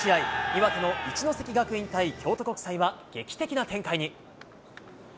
岩手の一関学院対京都国際は、劇的な展開に。